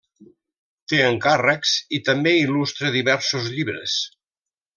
Té encàrrecs i també il·lustra diversos llibres.